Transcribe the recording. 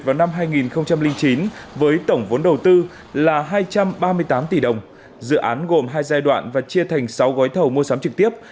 vào năm hai nghìn chín với tổng vốn đầu tư là hai trăm ba mươi tám tỷ đồng dự án gồm hai giai đoạn và chia thành sáu gói thầu mua sắm trực tiếp